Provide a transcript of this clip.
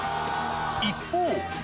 一方